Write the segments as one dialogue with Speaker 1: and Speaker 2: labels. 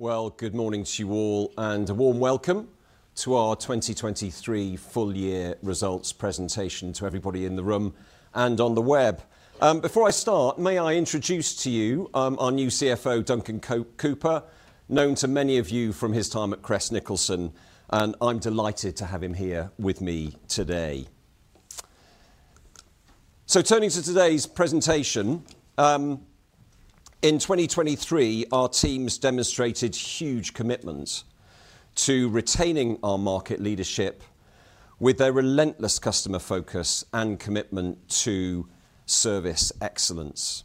Speaker 1: Well, good morning to you all, and a warm welcome to our 2023 full-year results presentation to everybody in the room and on the web. Before I start, may I introduce to you our new CFO, Duncan Cooper, known to many of you from his time at Crest Nicholson. I'm delighted to have him here with me today. Turning to today's presentation, in 2023 our teams demonstrated huge commitment to retaining our market leadership with their relentless customer focus and commitment to service excellence.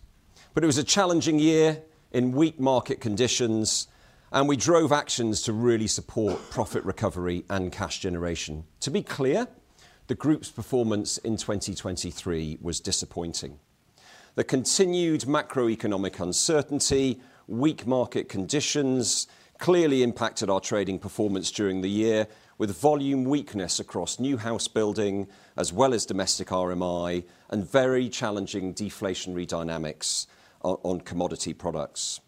Speaker 1: It was a challenging year in weak market conditions, and we drove actions to really support profit recovery and cash generation. To be clear, the group's performance in 2023 was disappointing. The continued macroeconomic uncertainty, weak market conditions clearly impacted our trading performance during the year with volume weakness across new house building as well as domestic RMI and very challenging deflationary dynamics on commodity products.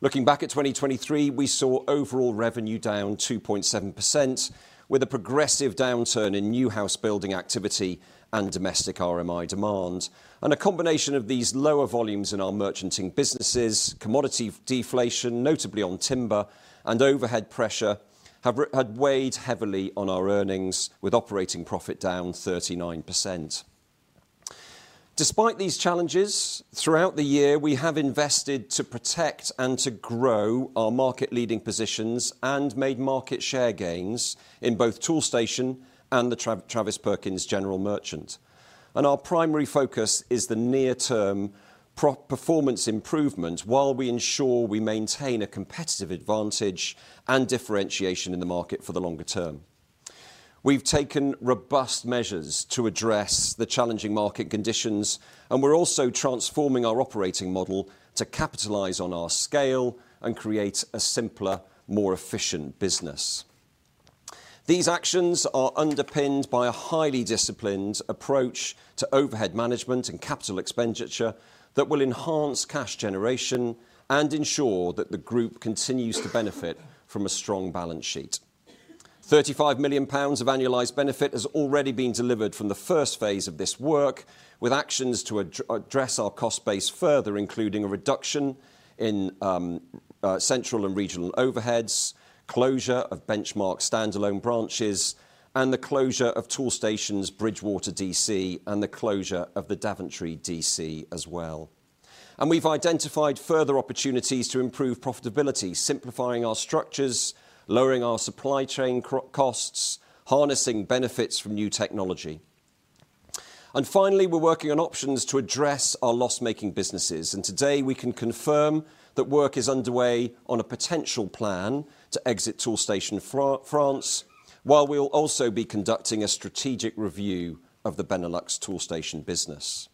Speaker 1: Looking back at 2023, we saw overall revenue down 2.7% with a progressive downturn in new house building activity and domestic RMI demand. A combination of these lower volumes in our merchanting businesses, commodity deflation notably on timber, and overhead pressure have weighed heavily on our earnings with operating profit down 39%. Despite these challenges, throughout the year we have invested to protect and to grow our market-leading positions and made market share gains in both Toolstation and the Travis Perkins General Merchant. Our primary focus is the near-term performance improvement while we ensure we maintain a competitive advantage and differentiation in the market for the longer term. We've taken robust measures to address the challenging market conditions, and we're also transforming our operating model to capitalize on our scale and create a simpler, more efficient business. These actions are underpinned by a highly disciplined approach to overhead management and capital expenditure that will enhance cash generation and ensure that the group continues to benefit from a strong balance sheet. 35 million pounds of annualized benefit has already been delivered from the first phase of this work with actions to address our cost base further including a reduction in central and regional overheads, closure of Benchmarx standalone branches, and the closure of Toolstation's Bridgwater DC and the closure of the Daventry DC as well. We've identified further opportunities to improve profitability simplifying our structures, lowering our supply chain costs, harnessing benefits from new technology. Finally, we're working on options to address our loss-making businesses. Today we can confirm that work is underway on a potential plan to exit Toolstation France while we'll also be conducting a strategic review of the Benelux Toolstation business.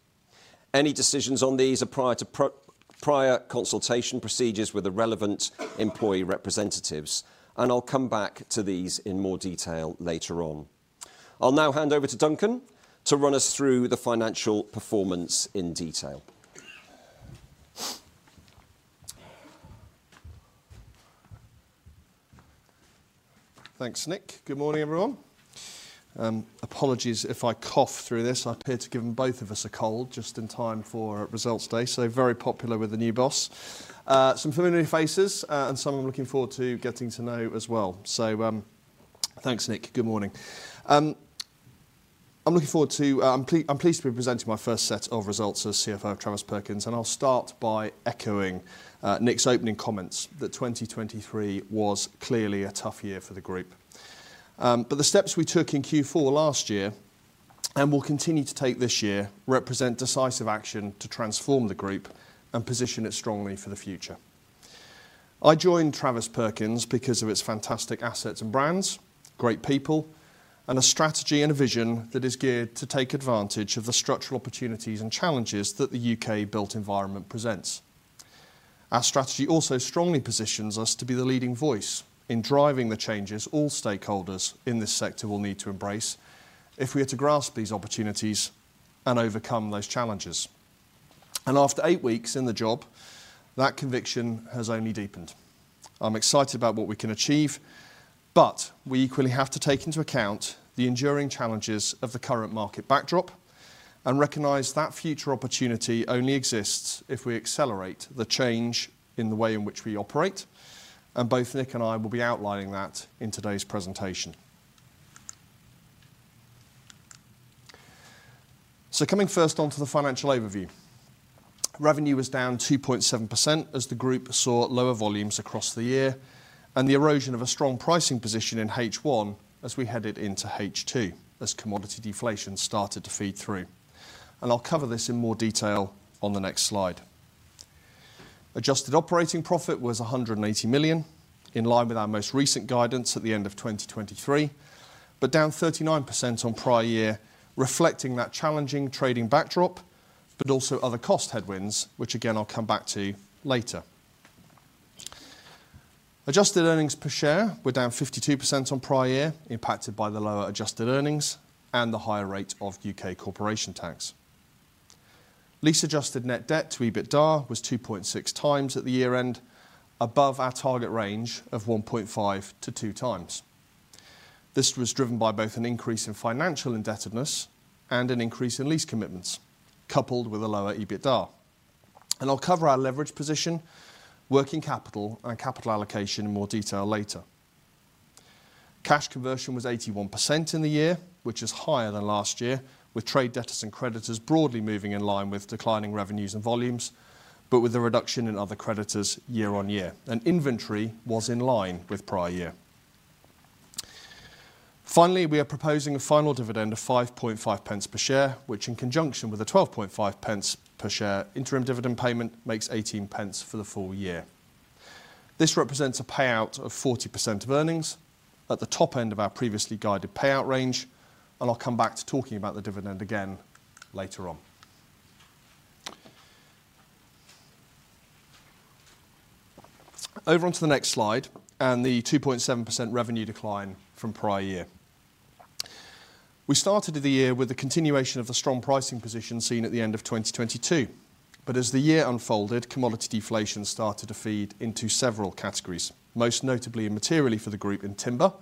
Speaker 1: Any decisions on these are prior to consultation procedures with the relevant employee representatives, and I'll come back to these in more detail later on. I'll now hand over to Duncan to run us through the financial performance in detail.
Speaker 2: Thanks, Nick. Good morning, everyone. Apologies if I cough through this. I appear to have given both of us a cold just in time for Results Day. Very popular with the new boss. Some familiar faces and some I'm looking forward to getting to know as well. Thanks, Nick. Good morning. I'm pleased to be presenting my first set of results as CFO of Travis Perkins. I'll start by echoing Nick's opening comments that 2023 was clearly a tough year for the group. But the steps we took in Q4 last year and will continue to take this year represent decisive action to transform the group and position it strongly for the future. I joined Travis Perkins because of its fantastic assets and brands, great people, and a strategy and a vision that is geared to take advantage of the structural opportunities and challenges that the UK built environment presents. Our strategy also strongly positions us to be the leading voice in driving the changes all stakeholders in this sector will need to embrace if we are to grasp these opportunities and overcome those challenges. After eight weeks in the job, that conviction has only deepened. I'm excited about what we can achieve, but we equally have to take into account the enduring challenges of the current market backdrop and recognize that future opportunity only exists if we accelerate the change in the way in which we operate. Both Nick and I will be outlining that in today's presentation. Coming first onto the financial overview. Revenue was down 2.7% as the group saw lower volumes across the year and the erosion of a strong pricing position in H1 as we headed into H2 as commodity deflation started to feed through. I'll cover this in more detail on the next slide. Adjusted operating profit was 180 million in line with our most recent guidance at the end of 2023 but down 39% on prior year reflecting that challenging trading backdrop but also other cost headwinds which again I'll come back to later. Adjusted earnings per share were down 52% on prior year impacted by the lower adjusted earnings and the higher rate of UK corporation tax. Lease-adjusted net debt to EBITDA was 2.6x at the year-end above our target range of 1.5-2 times. This was driven by both an increase in financial indebtedness and an increase in lease commitments coupled with a lower EBITDA. I'll cover our leveraged position, working capital, and capital allocation in more detail later. Cash conversion was 81% in the year which is higher than last year with trade debtors and creditors broadly moving in line with declining revenues and volumes but with a reduction in other creditors year on year. Inventory was in line with prior year. Finally, we are proposing a final dividend of 5.5 per share which in conjunction with a 12.5 per share interim dividend payment makes 0.18 for the full year. This represents a payout of 40% of earnings at the top end of our previously guided payout range. I'll come back to talking about the dividend again later on. Over onto the next slide and the 2.7% revenue decline from prior year. We started the year with the continuation of the strong pricing position seen at the end of 2022. But as the year unfolded, commodity deflation started to feed into several categories most notably and materially for the group in timber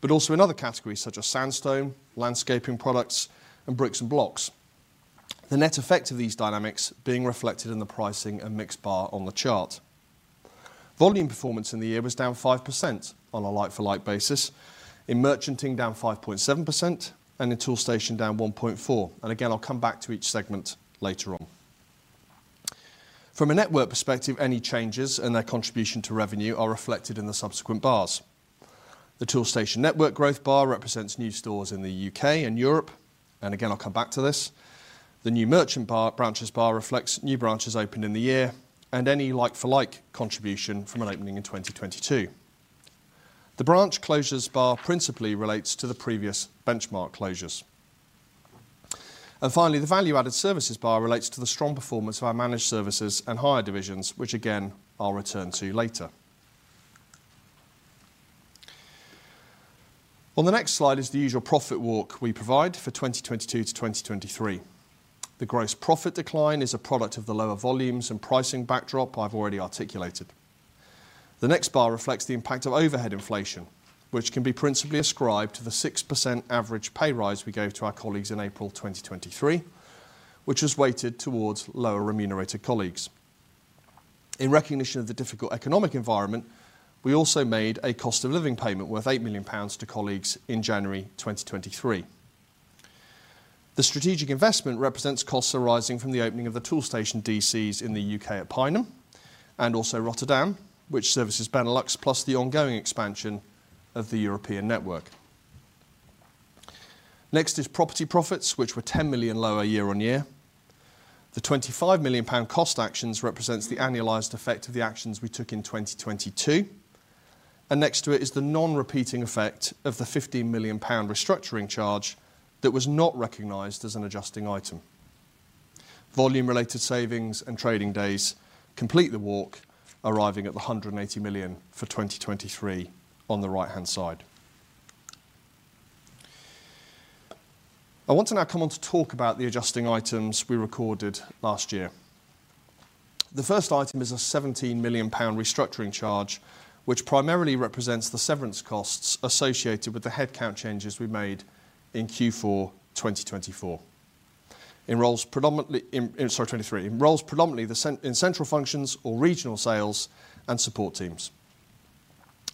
Speaker 2: but also in other categories such as sandstone, landscaping products, and bricks and blocks. The net effect of these dynamics being reflected in the pricing and mix bar on the chart. Volume performance in the year was down 5% on a like-for-like basis. In merchanting, down 5.7%. And in Toolstation, down 1.4%. And again, I'll come back to each segment later on. From a network perspective, any changes and their contribution to revenue are reflected in the subsequent bars. The Toolstation network growth bar represents new stores in the UK and Europe. And again, I'll come back to this. The new merchant branches bar reflects new branches opened in the year and any like-for-like contribution from an opening in 2022. The branch closures bar principally relates to the previous Benchmarx closures. And finally, the value-added services bar relates to the strong performance of our managed services and hire divisions which again I'll return to later. On the next slide is the usual profit walk we provide for 2022 to 2023. The gross profit decline is a product of the lower volumes and pricing backdrop I've already articulated. The next bar reflects the impact of overhead inflation which can be principally ascribed to the 6% average pay rise we gave to our colleagues in April 2023 which was weighted towards lower remunerated colleagues. In recognition of the difficult economic environment, we also made a cost of living payment worth 8 million pounds to colleagues in January 2023. The strategic investment represents costs arising from the opening of the Toolstation DCs in the UK at Pineham and also Rotterdam, which services Benelux plus the ongoing expansion of the European network. Next is property profits, which were 10 million lower year-on-year. The 25 million pound cost actions represents the annualized effect of the actions we took in 2022. And next to it is the non-repeating effect of the 15 million pound restructuring charge that was not recognized as an adjusting item. Volume-related savings and trading days complete the walk arriving at the 180 million for 2023 on the right-hand side. I want to now come on to talk about the adjusting items we recorded last year. The first item is a 17 million pound restructuring charge which primarily represents the severance costs associated with the headcount changes we made in Q4 2024. It rolls predominantly in 2023 in central functions or regional sales and support teams.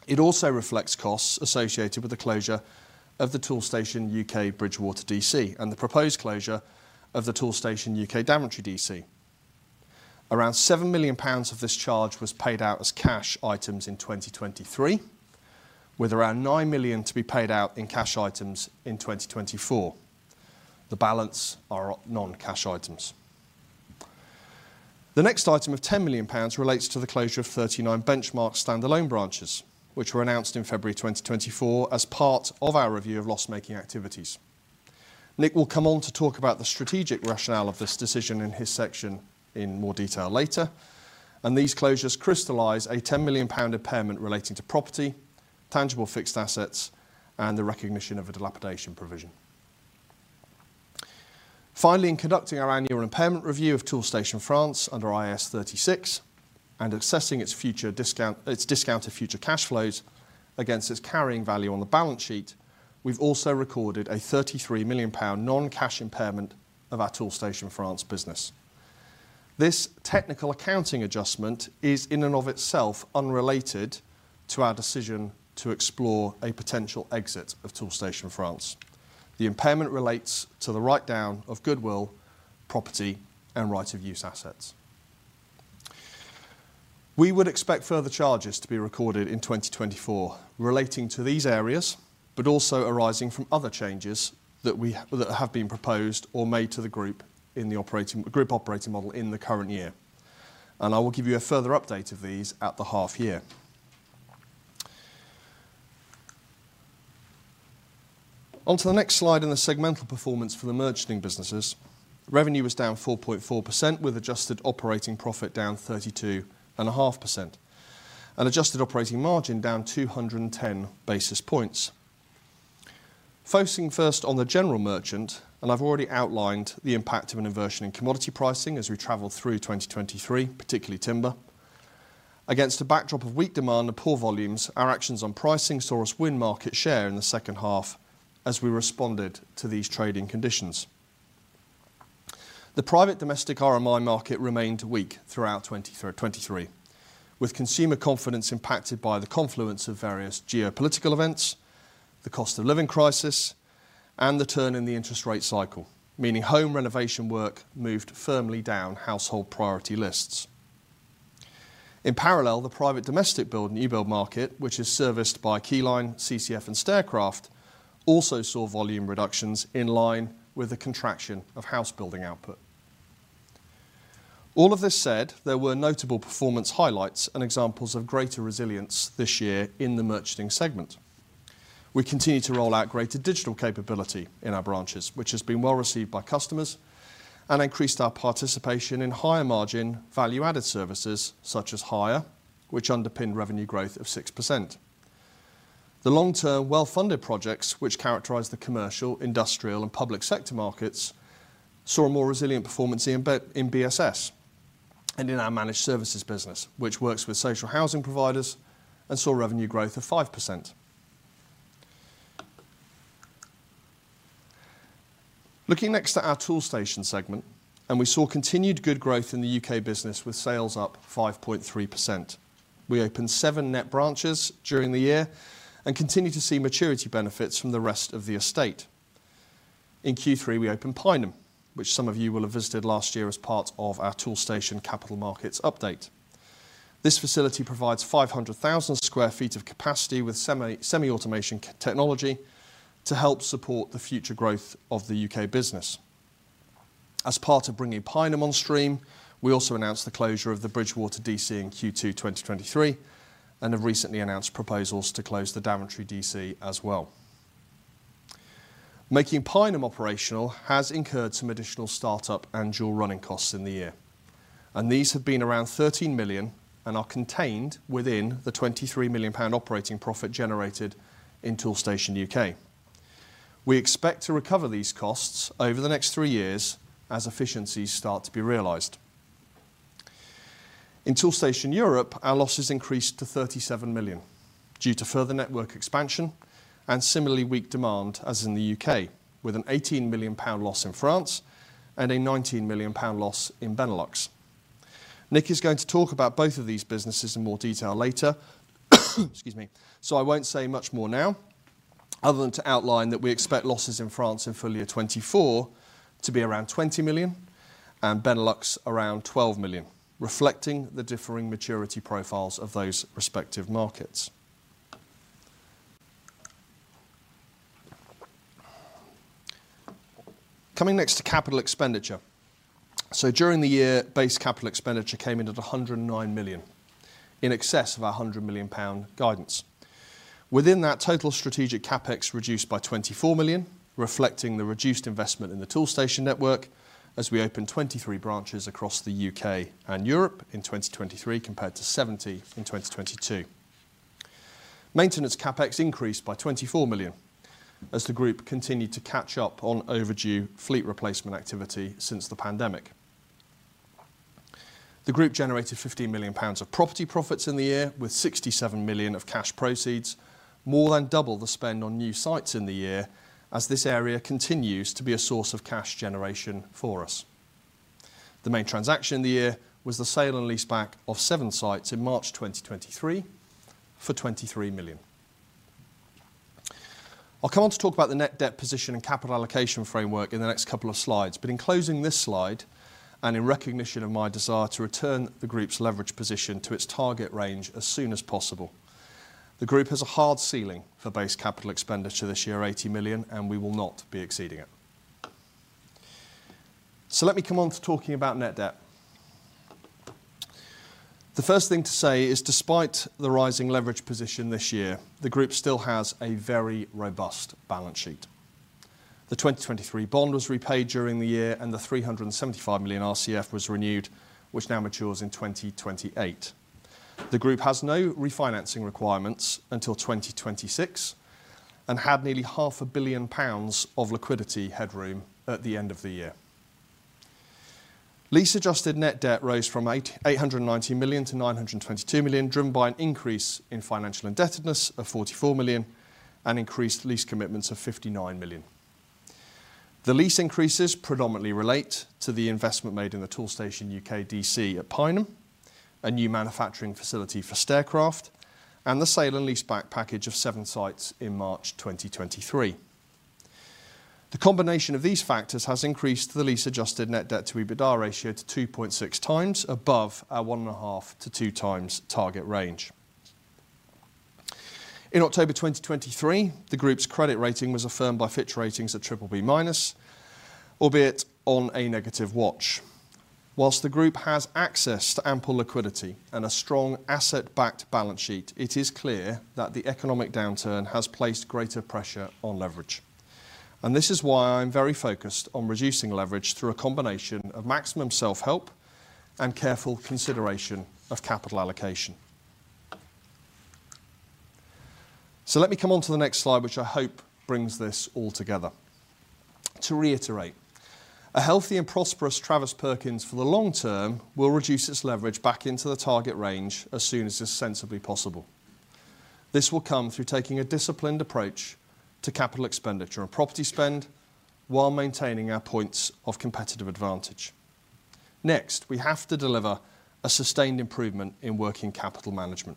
Speaker 2: It also reflects costs associated with the closure of the Toolstation UK Bridgwater DC and the proposed closure of the Toolstation UK Daventry DC. Around 7 million pounds of this charge was paid out as cash items in 2023 with around 9 million to be paid out in cash items in 2024. The balance are non-cash items. The next item of 10 million pounds relates to the closure of 39 Benchmarx standalone branches which were announced in February 2024 as part of our review of loss-making activities. Nick will come on to talk about the strategic rationale of this decision in his section in more detail later. These closures crystallize a 10 million pound impairment relating to property, tangible fixed assets, and the recognition of a dilapidation provision. Finally, in conducting our annual impairment review of Toolstation France under IAS 36 and assessing its discounted future cash flows against its carrying value on the balance sheet, we've also recorded a 33 million pound non-cash impairment of our Toolstation France business. This technical accounting adjustment is in and of itself unrelated to our decision to explore a potential exit of Toolstation France. The impairment relates to the write-down of goodwill, property, and right-of-use assets. We would expect further charges to be recorded in 2024 relating to these areas but also arising from other changes that have been proposed or made to the group in the group operating model in the current year. I will give you a further update of these at the half-year. Onto the next slide and the segmental performance for the merchanting businesses. Revenue was down 4.4% with adjusted operating profit down 32.5%. Adjusted operating margin down 210 basis points. Focusing first on the general merchant and I've already outlined the impact of an inversion in commodity pricing as we traveled through 2023 particularly timber. Against a backdrop of weak demand and poor volumes, our actions on pricing saw us win market share in the second half as we responded to these trading conditions. The private domestic RMI market remained weak throughout 2023 with consumer confidence impacted by the confluence of various geopolitical events, the cost of living crisis, and the turn in the interest rate cycle meaning home renovation work moved firmly down household priority lists. In parallel, the private domestic build and new build market which is serviced by Keyline, CCF, and Staircraft also saw volume reductions in line with the contraction of house building output. All of this said, there were notable performance highlights and examples of greater resilience this year in the merchanting segment. We continue to roll out greater digital capability in our branches which has been well received by customers and increased our participation in higher margin value-added services such as hire which underpinned revenue growth of 6%. The long-term well-funded projects which characterize the commercial, industrial, and public sector markets saw a more resilient performance in BSS and in our managed services business which works with social housing providers and saw revenue growth of 5%. Looking next at our Toolstation segment and we saw continued good growth in the UK business with sales up 5.3%. We opened seven net branches during the year and continue to see maturity benefits from the rest of the estate. In Q3, we opened Pineham which some of you will have visited last year as part of our Toolstation capital markets update. This facility provides 500,000 sq ft of capacity with semi-automation technology to help support the future growth of the UK business. As part of bringing Pineham on stream, we also announced the closure of the Bridgwater DC in Q2 2023 and have recently announced proposals to close the Daventry DC as well. Making Pineham operational has incurred some additional startup annual running costs in the year. These have been around 13 million and are contained within the 23 million pound operating profit generated in Toolstation UK. We expect to recover these costs over the next three years as efficiencies start to be realized. In Toolstation Europe, our losses increased to 37 million due to further network expansion and similarly weak demand as in the UK with a 18 million pound loss in France and a 19 million pound loss in Benelux. Nick is going to talk about both of these businesses in more detail later excuse me so I won't say much more now other than to outline that we expect losses in France in full year 2024 to be around 20 million and Benelux around 12 million reflecting the differing maturity profiles of those respective markets. Coming next to capital expenditure. So during the year, base capital expenditure came in at 109 million in excess of our 100 million pound guidance. Within that, total strategic Capex reduced by 24 million reflecting the reduced investment in the Toolstation network as we opened 23 branches across the UK and Europe in 2023 compared to 70 in 2022. Maintenance Capex increased by 24 million as the group continued to catch up on overdue fleet replacement activity since the pandemic. The group generated 15 million pounds of property profits in the year with 67 million of cash proceeds more than double the spend on new sites in the year as this area continues to be a source of cash generation for us. The main transaction in the year was the sale and leaseback of seven sites in March 2023 for 23 million. I'll come on to talk about the net debt position and capital allocation framework in the next couple of slides. But in closing this slide and in recognition of my desire to return the group's leveraged position to its target range as soon as possible, the group has a hard ceiling for base capital expenditure this year of 80 million and we will not be exceeding it. So let me come on to talking about net debt. The first thing to say is despite the rising leveraged position this year, the group still has a very robust balance sheet. The 2023 bond was repaid during the year and the 375 million RCF was renewed which now matures in 2028. The group has no refinancing requirements until 2026 and had nearly 500 million pounds of liquidity headroom at the end of the year. Lease-adjusted net debt rose from 890 million to 922 million driven by an increase in financial indebtedness of 44 million and increased lease commitments of 59 million. The lease increases predominantly relate to the investment made in the Toolstation UK DC at Pineham, a new manufacturing facility for Staircraft, and the sale and leaseback package of seven sites in March 2023. The combination of these factors has increased the lease-adjusted net debt to EBITDA ratio to 2.6x above our 1.5x-2x target range. In October 2023, the group's credit rating was affirmed by Fitch Ratings at BBB minus albeit on a negative watch. Whilst the group has access to ample liquidity and a strong asset-backed balance sheet, it is clear that the economic downturn has placed greater pressure on leverage. This is why I'm very focused on reducing leverage through a combination of maximum self-help and careful consideration of capital allocation. Let me come on to the next slide which I hope brings this all together. To reiterate, a healthy and prosperous Travis Perkins for the long term will reduce its leverage back into the target range as soon as is sensibly possible. This will come through taking a disciplined approach to capital expenditure and property spend while maintaining our points of competitive advantage. Next, we have to deliver a sustained improvement in working capital management.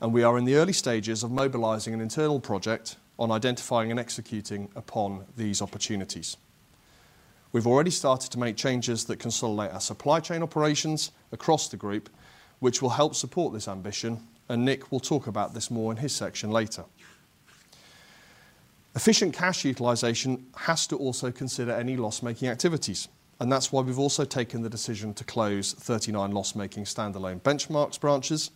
Speaker 2: We are in the early stages of mobilising an internal project on identifying and executing upon these opportunities. We've already started to make changes that consolidate our supply chain operations across the group which will help support this ambition and Nick will talk about this more in his section later. Efficient cash utilization has to also consider any loss-making activities and that's why we've also taken the decision to close 39 loss-making standalone Benchmarx branches,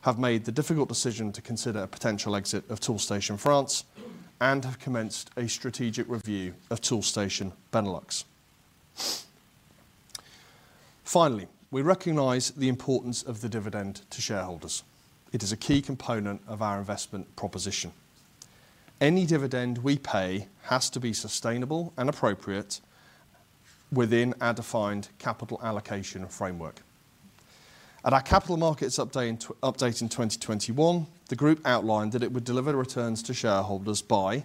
Speaker 2: have made the difficult decision to consider a potential exit of Toolstation France, and have commenced a strategic review of Toolstation Benelux. Finally, we recognize the importance of the dividend to shareholders. It is a key component of our investment proposition. Any dividend we pay has to be sustainable and appropriate within our defined capital allocation framework. At our capital markets update in 2021, the group outlined that it would deliver returns to shareholders by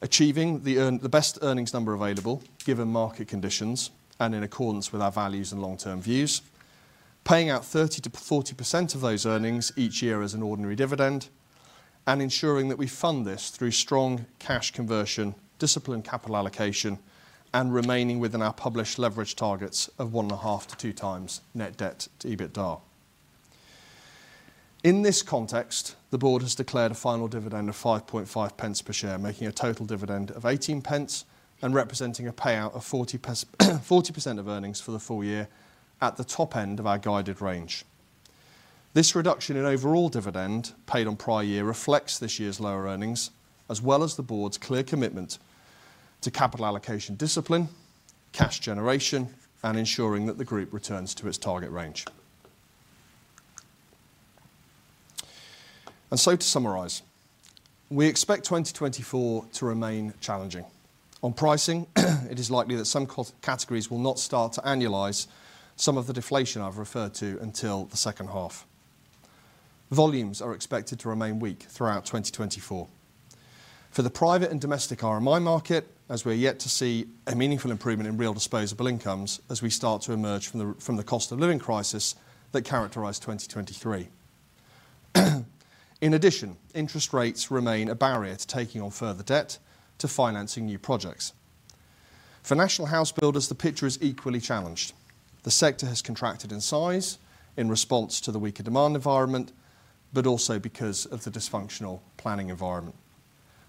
Speaker 2: achieving the best earnings number available given market conditions and in accordance with our values and long-term views, paying out 30%-40% of those earnings each year as an ordinary dividend, and ensuring that we fund this through strong cash conversion, disciplined capital allocation, and remaining within our published leverage targets of 1.5-2 times net debt to EBITDA. In this context, the board has declared a final dividend of 5.5 per share, making a total dividend of 0.18 and representing a payout of 40% of earnings for the full year at the top end of our guided range. This reduction in overall dividend paid on prior year reflects this year's lower earnings as well as the board's clear commitment to capital allocation discipline, cash generation, and ensuring that the group returns to its target range. And so to summarise, we expect 2024 to remain challenging. On pricing, it is likely that some categories will not start to annualize some of the deflation I've referred to until the second half. Volumes are expected to remain weak throughout 2024. For the private and domestic RMI market as we're yet to see a meaningful improvement in real disposable incomes as we start to emerge from the cost of living crisis that characterized 2023. In addition, interest rates remain a barrier to taking on further debt to financing new projects. For national house builders, the picture is equally challenged. The sector has contracted in size in response to the weaker demand environment but also because of the dysfunctional planning environment.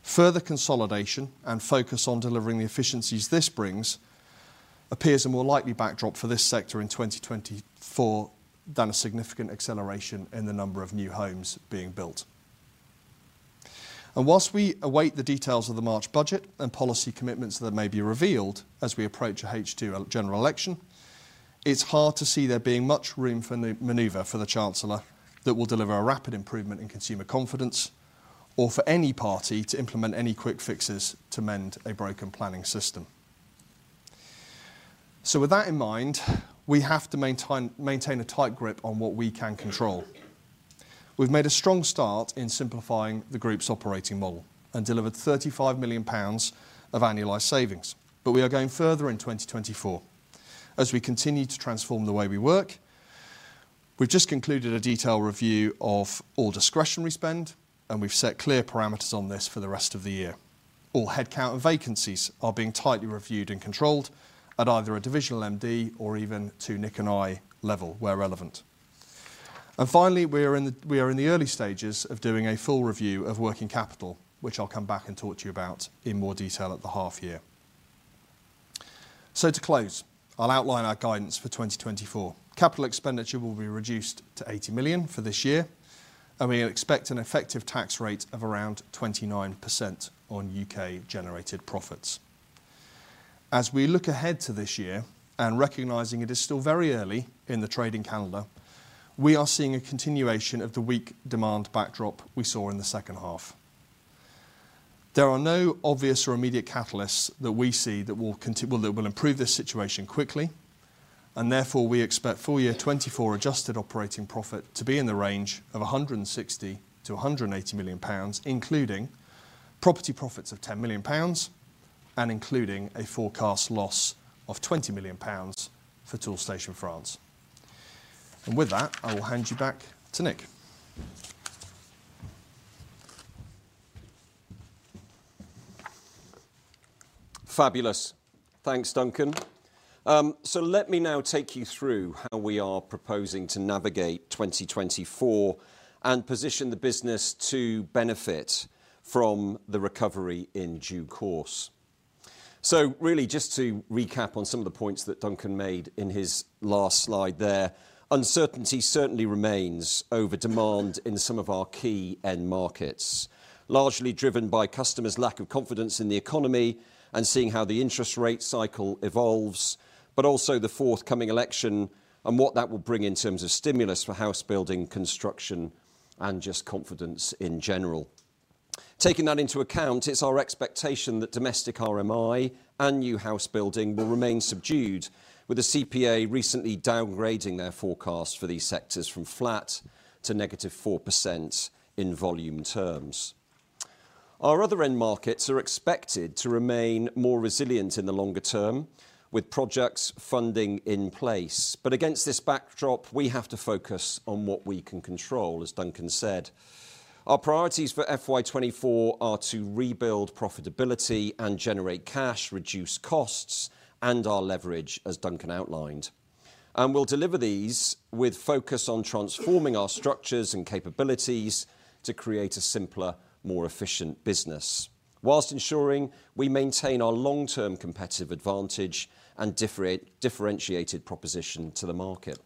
Speaker 2: Further consolidation and focus on delivering the efficiencies this brings appears a more likely backdrop for this sector in 2024 than a significant acceleration in the number of new homes being built. While we await the details of the March budget and policy commitments that may be revealed as we approach a H2 general election, it's hard to see there being much room for maneuver for the Chancellor that will deliver a rapid improvement in consumer confidence or for any party to implement any quick fixes to mend a broken planning system. With that in mind, we have to maintain a tight grip on what we can control. We've made a strong start in simplifying the group's operating model and delivered 35 million pounds of annualized savings. We are going further in 2024 as we continue to transform the way we work. We've just concluded a detailed review of all discretionary spend and we've set clear parameters on this for the rest of the year. All headcount and vacancies are being tightly reviewed and controlled at either a divisional MD or even to Nick and I level where relevant. Finally, we are in the early stages of doing a full review of working capital which I'll come back and talk to you about in more detail at the half year. To close, I'll outline our guidance for 2024. Capital expenditure will be reduced to 80 million for this year and we expect an effective tax rate of around 29% on U.K. generated profits. As we look ahead to this year and recognizing it is still very early in the trading calendar, we are seeing a continuation of the weak demand backdrop we saw in the second half. There are no obvious or immediate catalysts that we see that will improve this situation quickly and therefore we expect full year 2024 adjusted operating profit to be in the range of 160 million-180 million pounds including property profits of 10 million pounds and including a forecast loss of 20 million pounds for Toolstation France. With that, I will hand you back to Nick.
Speaker 1: Fabulous. Thanks, Duncan. So let me now take you through how we are proposing to navigate 2024 and position the business to benefit from the recovery in due course. So really just to recap on some of the points that Duncan made in his last slide there, uncertainty certainly remains over demand in some of our key end markets largely driven by customers' lack of confidence in the economy and seeing how the interest rate cycle evolves but also the forthcoming election and what that will bring in terms of stimulus for house building construction and just confidence in general. Taking that into account, it's our expectation that domestic RMI and new house building will remain subdued with the CPA recently downgrading their forecast for these sectors from flat to -4% in volume terms. Our other end markets are expected to remain more resilient in the longer term with projects funding in place. But against this backdrop, we have to focus on what we can control as Duncan said. Our priorities for FY24 are to rebuild profitability and generate cash, reduce costs, and our leverage as Duncan outlined. We'll deliver these with focus on transforming our structures and capabilities to create a simpler, more efficient business while ensuring we maintain our long-term competitive advantage and differentiated proposition to the market.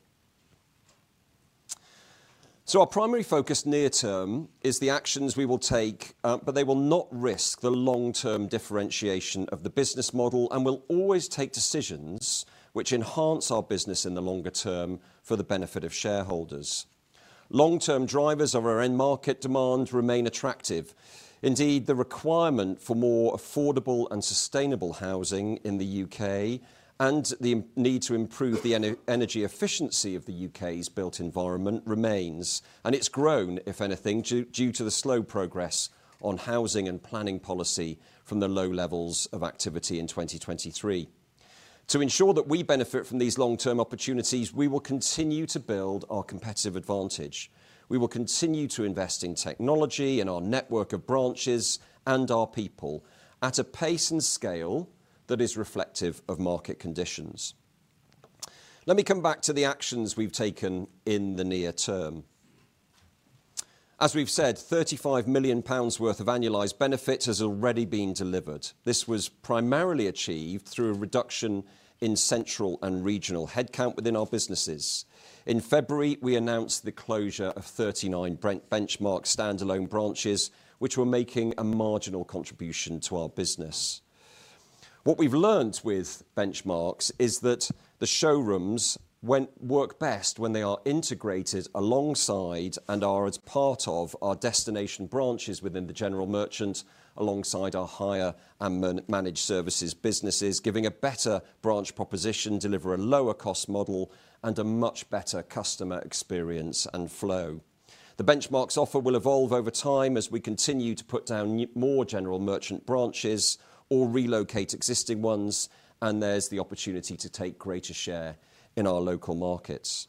Speaker 1: Our primary focus near term is the actions we will take but they will not risk the long-term differentiation of the business model and will always take decisions which enhance our business in the longer term for the benefit of shareholders. Long-term drivers of our end market demand remain attractive. Indeed, the requirement for more affordable and sustainable housing in the UK and the need to improve the energy efficiency of the UK's built environment remains and it's grown if anything due to the slow progress on housing and planning policy from the low levels of activity in 2023. To ensure that we benefit from these long-term opportunities, we will continue to build our competitive advantage. We will continue to invest in technology, in our network of branches, and our people at a pace and scale that is reflective of market conditions. Let me come back to the actions we've taken in the near term. As we've said, 35 million pounds worth of annualized benefit has already been delivered. This was primarily achieved through a reduction in central and regional headcount within our businesses. In February, we announced the closure of 39 Benchmarx standalone branches which were making a marginal contribution to our business. What we've learned with Benchmarx is that the showrooms work best when they are integrated alongside and are as part of our destination branches within the general merchant alongside our hire and managed services businesses giving a better branch proposition, deliver a lower cost model, and a much better customer experience and flow. The Benchmarx offer will evolve over time as we continue to put down more general merchant branches or relocate existing ones and there's the opportunity to take greater share in our local markets.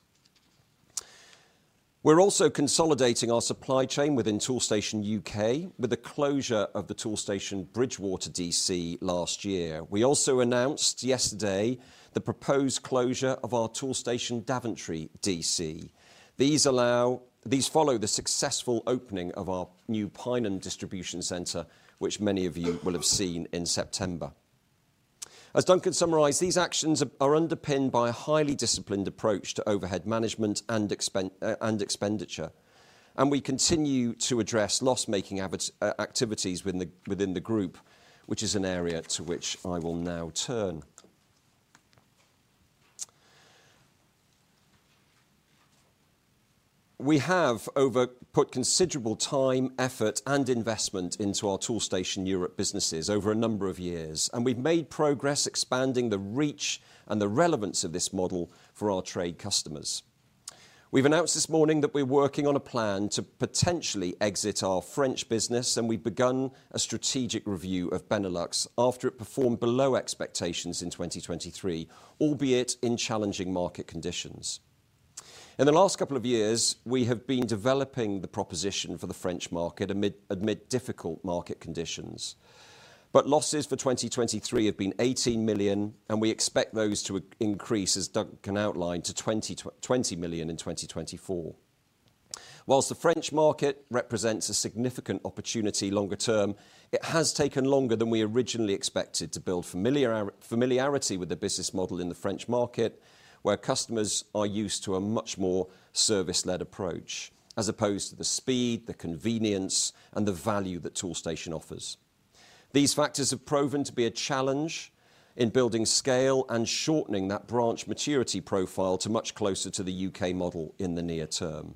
Speaker 1: We're also consolidating our supply chain within Toolstation UK with the closure of the Toolstation Bridgwater DC last year. We also announced yesterday the proposed closure of our Toolstation Daventry DC. These follow the successful opening of our new Pineham Distribution Center which many of you will have seen in September. As Duncan summarized, these actions are underpinned by a highly disciplined approach to overhead management and expenditure. We continue to address loss-making activities within the group which is an area to which I will now turn. We have put considerable time, effort, and investment into our Toolstation Europe businesses over a number of years and we've made progress expanding the reach and the relevance of this model for our trade customers. We've announced this morning that we're working on a plan to potentially exit our French business and we've begun a strategic review of Benelux after it performed below expectations in 2023 albeit in challenging market conditions. In the last couple of years, we have been developing the proposition for the French market amid difficult market conditions. But losses for 2023 have been 18 million and we expect those to increase as Duncan outlined to 20 million in 2024. While the French market represents a significant opportunity longer term, it has taken longer than we originally expected to build familiarity with the business model in the French market where customers are used to a much more service-led approach as opposed to the speed, the convenience, and the value that Toolstation offers. These factors have proven to be a challenge in building scale and shortening that branch maturity profile to much closer to the UK model in the near term.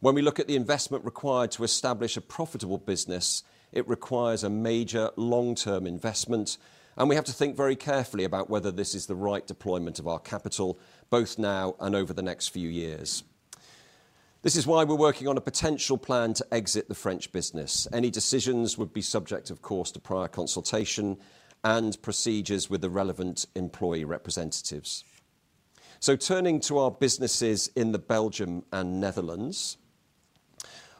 Speaker 1: When we look at the investment required to establish a profitable business, it requires a major long-term investment and we have to think very carefully about whether this is the right deployment of our capital both now and over the next few years. This is why we're working on a potential plan to exit the French business. Any decisions would be subject, of course, to prior consultation and procedures with the relevant employee representatives. Turning to our businesses in Belgium and the Netherlands.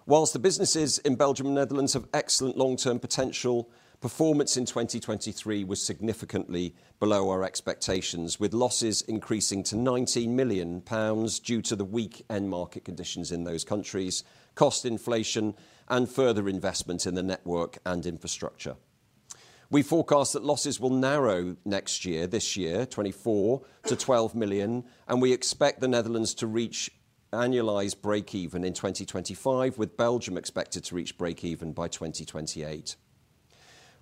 Speaker 1: While the businesses in Belgium and the Netherlands have excellent long-term potential, performance in 2023 was significantly below our expectations with losses increasing to 19 million pounds due to the weak end market conditions in those countries, cost inflation, and further investment in the network and infrastructure. We forecast that losses will narrow next year, this year 2024, to 12 million and we expect the Netherlands to reach annualized break-even in 2025 with Belgium expected to reach break-even by 2028.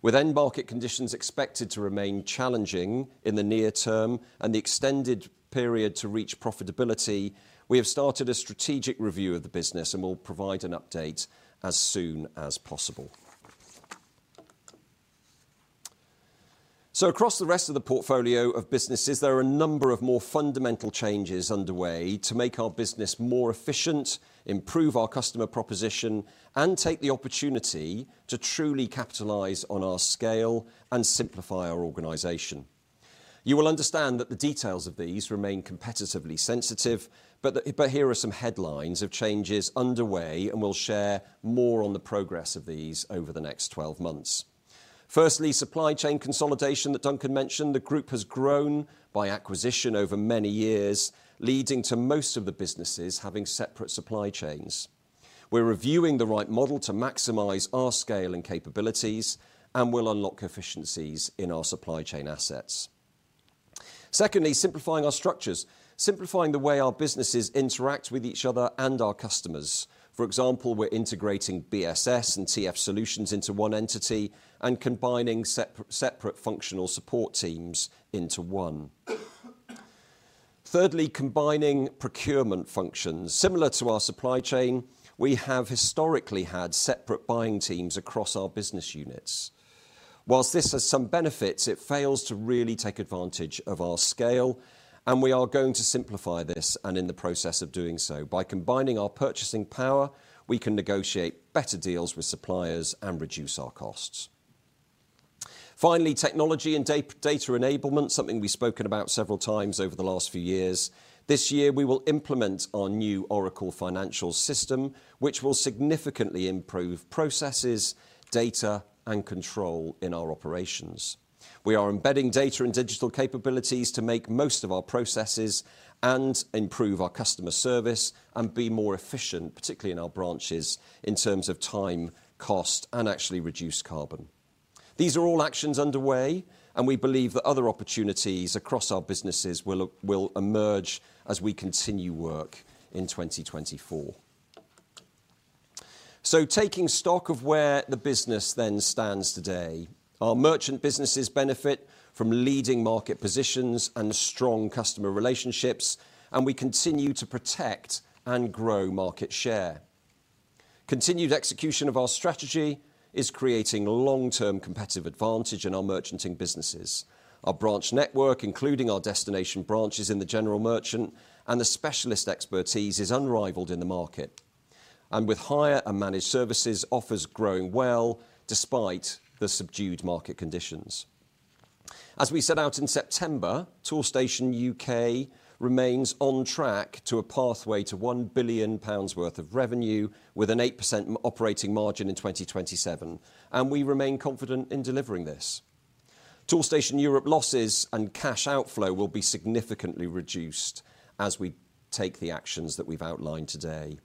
Speaker 1: With end market conditions expected to remain challenging in the near term and the extended period to reach profitability, we have started a strategic review of the business and will provide an update as soon as possible. Across the rest of the portfolio of businesses, there are a number of more fundamental changes underway to make our business more efficient, improve our customer proposition, and take the opportunity to truly capitalize on our scale and simplify our organization. You will understand that the details of these remain competitively sensitive but here are some headlines of changes underway and we'll share more on the progress of these over the next 12 months. Firstly, supply chain consolidation that Duncan mentioned. The group has grown by acquisition over many years leading to most of the businesses having separate supply chains. We're reviewing the right model to maximize our scale and capabilities and we'll unlock efficiencies in our supply chain assets. Secondly, simplifying our structures. Simplifying the way our businesses interact with each other and our customers. For example, we're integrating BSS and TF Solutions into one entity and combining separate functional support teams into one. Thirdly, combining procurement functions. Similar to our supply chain, we have historically had separate buying teams across our business units. While this has some benefits, it fails to really take advantage of our scale and we are going to simplify this and in the process of doing so by combining our purchasing power, we can negotiate better deals with suppliers and reduce our costs. Finally, technology and data enablement. Something we've spoken about several times over the last few years. This year, we will implement our new Oracle Financials system which will significantly improve processes, data, and control in our operations. We are embedding data and digital capabilities to make most of our processes and improve our customer service and be more efficient particularly in our branches in terms of time, cost, and actually reduce carbon. These are all actions underway and we believe that other opportunities across our businesses will emerge as we continue work in 2024. Taking stock of where the business then stands today, our merchant businesses benefit from leading market positions and strong customer relationships and we continue to protect and grow market share. Continued execution of our strategy is creating long-term competitive advantage in our merchanting businesses. Our branch network including our destination branches in the general merchant and the specialist expertise is unrivaled in the market, and with hire and managed services offers growing well despite the subdued market conditions. As we set out in September, Toolstation UK remains on track to a pathway to 1 billion pounds worth of revenue with an 8% operating margin in 2027, and we remain confident in delivering this. Toolstation Europe losses and cash outflow will be significantly reduced as we take the actions that we've outlined today.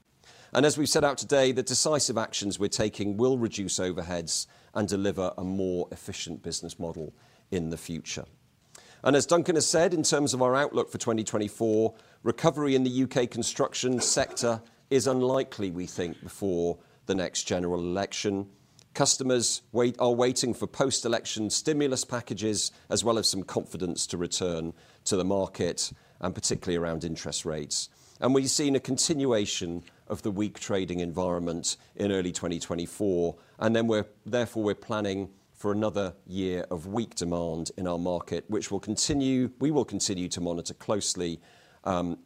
Speaker 1: And as we've set out today, the decisive actions we're taking will reduce overheads and deliver a more efficient business model in the future. And as Duncan has said, in terms of our outlook for 2024, recovery in the UK construction sector is unlikely, we think, before the next general election. Customers are waiting for post-election stimulus packages as well as some confidence to return to the market and particularly around interest rates. We've seen a continuation of the weak trading environment in early 2024 and then therefore we're planning for another year of weak demand in our market which will continue. We will continue to monitor closely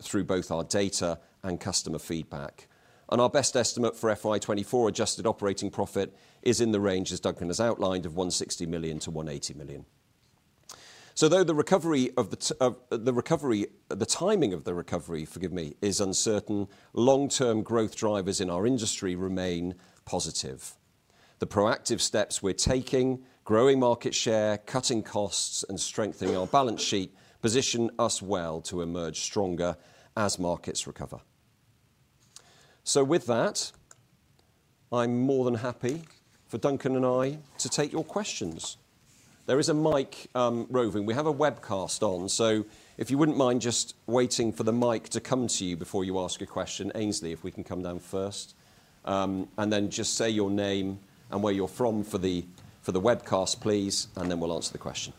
Speaker 1: through both our data and customer feedback. Our best estimate for FY24 adjusted operating profit is in the range as Duncan has outlined of 160 million-180 million. Though the recovery, the timing of the recovery, forgive me, is uncertain, long-term growth drivers in our industry remain positive. The proactive steps we're taking, growing market share, cutting costs, and strengthening our balance sheet position us well to emerge stronger as markets recover. So with that, I'm more than happy for Duncan and I to take your questions. There is a mic roving. We have a webcast on so if you wouldn't mind just waiting for the mic to come to you before you ask a question. Ainsley, if we can come down first and then just say your name and where you're from for the webcast please and then we'll answer the question.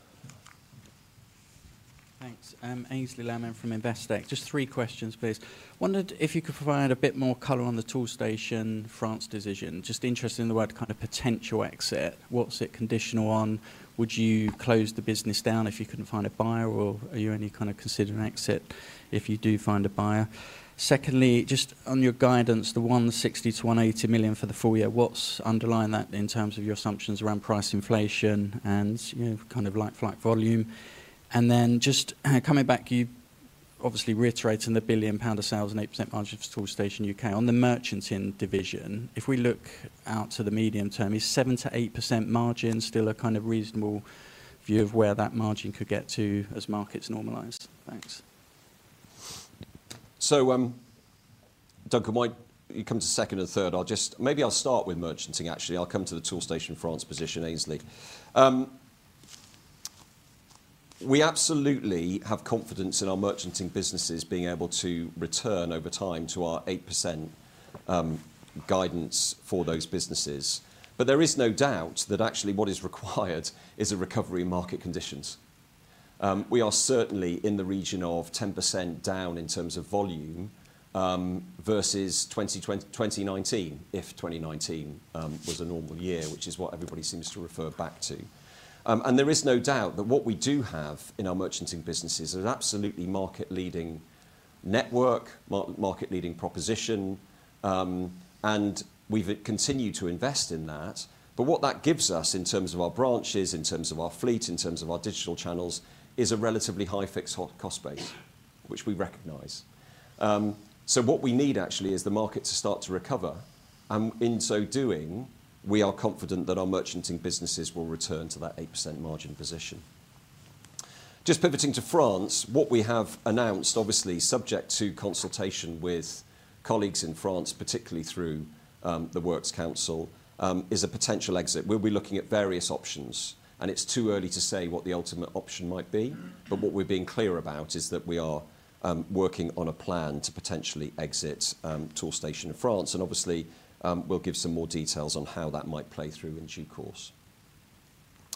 Speaker 3: Thanks. Ainsley Lammin from Investec. Just three questions please. Wondered if you could provide a bit more color on the Toolstation France decision. Just interested in the word kind of potential exit. What's it conditional on? Would you close the business down if you couldn't find a buyer or are you any kind of considering exit if you do find a buyer? Secondly, just on your guidance the 160 million-180 million for the full year. What's underlying that in terms of your assumptions around price inflation and kind of like flight volume? And then just coming back you obviously reiterating the 1 billion pound of sales and 8% margin for Toolstation UK. On the merchanting division, if we look out to the medium term, is 7%-8% margin still a kind of reasonable view of where that margin could get to as markets normalize? Thanks.
Speaker 1: So Duncan might you come to second and third. I'll just maybe I'll start with merchanting actually. I'll come to the Toolstation France position Ainsley. We absolutely have confidence in our merchanting businesses being able to return over time to our 8% guidance for those businesses. But there is no doubt that actually what is required is a recovery in market conditions. We are certainly in the region of 10% down in terms of volume versus 2020-2019 if 2019 was a normal year which is what everybody seems to refer back to. There is no doubt that what we do have in our merchanting businesses is an absolutely market leading network, market leading proposition, and we've continued to invest in that. What that gives us in terms of our branches, in terms of our fleet, in terms of our digital channels is a relatively high fixed cost base which we recognize. What we need actually is the market to start to recover and in so doing we are confident that our merchanting businesses will return to that 8% margin position. Just pivoting to France, what we have announced, obviously subject to consultation with colleagues in France, particularly through the works council, is a potential exit. We'll be looking at various options, and it's too early to say what the ultimate option might be. But what we're being clear about is that we are working on a plan to potentially exit Toolstation France, and obviously we'll give some more details on how that might play through in due course.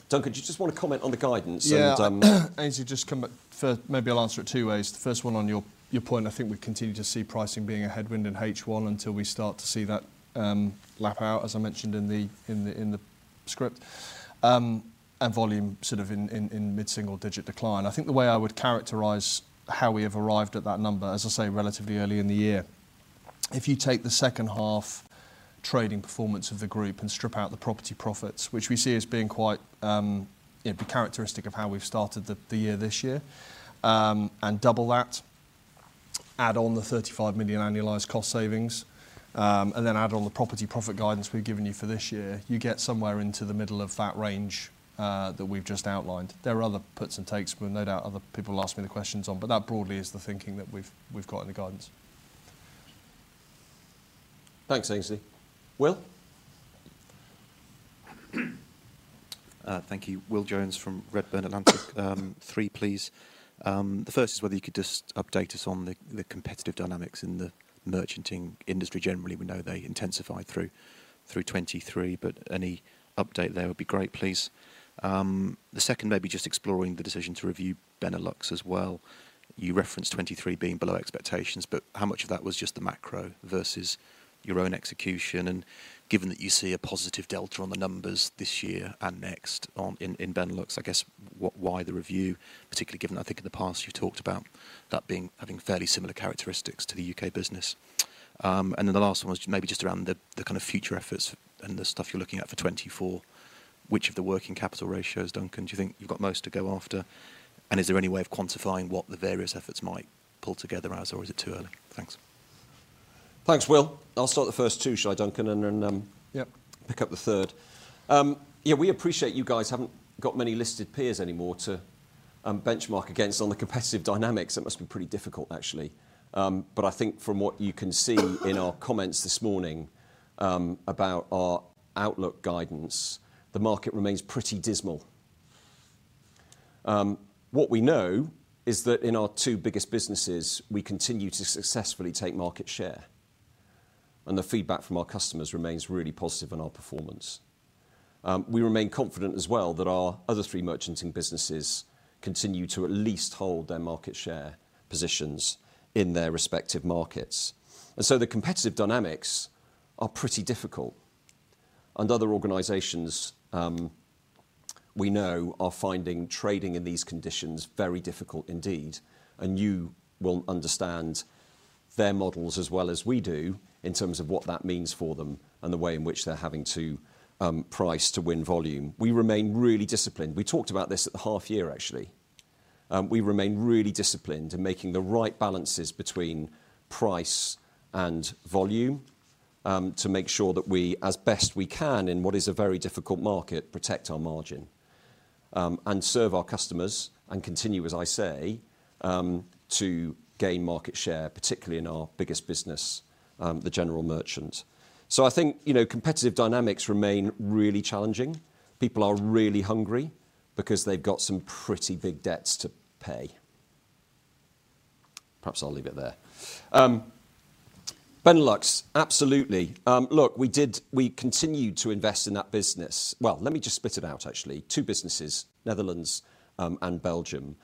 Speaker 1: Duncan, do you just want to comment on the guidance?
Speaker 2: And. Yeah. Ainsley, just come for, maybe I'll answer it two ways. The first one on your point, I think we continue to see pricing being a headwind in H1 until we start to see that lap out, as I mentioned in the script, and volume sort of in mid single digit decline. I think the way I would characterize how we have arrived at that number, as I say, relatively early in the year. If you take the second half trading performance of the group and strip out the property profits which we see as being quite characteristic of how we've started the year this year and double that, add on the 35 million annualized cost savings, and then add on the property profit guidance we've given you for this year, you get somewhere into the middle of that range that we've just outlined. There are other puts and takes no doubt other people will ask me the questions on but that broadly is the thinking that we've got in the guidance.
Speaker 1: Thanks Ainsley. Will.
Speaker 4: Thank you. Will Jones from Redburn Atlantic. Three please. The first is whether you could just update us on the competitive dynamics in the merchanting industry generally. We know they intensified through 2023, but any update there would be great, please. The second, maybe just exploring the decision to review Benelux as well. You referenced 2023 being below expectations, but how much of that was just the macro versus your own execution, and given that you see a positive delta on the numbers this year and next in Benelux, I guess why the review, particularly given I think in the past you've talked about that being having fairly similar characteristics to the UK business. And then the last one was maybe just around the kind of future efforts and the stuff you're looking at for 2024. Which of the working capital ratios, Duncan, do you think you've got most to go after, and is there any way of quantifying what the various efforts might pull together as, or is it too early? Thanks.
Speaker 1: Thanks, Will. I'll start the first two, shall I, Duncan? And then pick up the third. Yeah, we appreciate you guys haven't got many listed peers anymore to benchmark against on the competitive dynamics. That must be pretty difficult actually. But I think from what you can see in our comments this morning about our outlook guidance, the market remains pretty dismal. What we know is that in our two biggest businesses we continue to successfully take market share and the feedback from our customers remains really positive on our performance. We remain confident as well that our other three merchanting businesses continue to at least hold their market share positions in their respective markets. And so the competitive dynamics are pretty difficult. Other organizations we know are finding trading in these conditions very difficult indeed, and you will understand their models as well as we do in terms of what that means for them and the way in which they're having to price to win volume. We remain really disciplined. We talked about this at the half year actually. We remain really disciplined in making the right balances between price and volume to make sure that we as best we can in what is a very difficult market protect our margin and serve our customers and continue as I say to gain market share particularly in our biggest business, the general merchant. So I think competitive dynamics remain really challenging. People are really hungry because they've got some pretty big debts to pay. Perhaps I'll leave it there. Benelux, absolutely. Look, we continued to invest in that business. Well, let me just spit it out actually. Two businesses, Netherlands and Belgium.